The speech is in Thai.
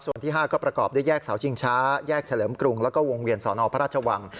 ส่วนที่๕ก็ประกอบด้วยแยกเสาชิงช้าแยกเฉลิมกรุงแล้วก็วงเวียนสนพระราชวัง